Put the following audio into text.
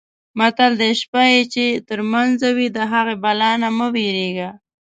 متل دی: شپه یې چې ترمنځه وي د هغې بلا نه مه وېرېږه.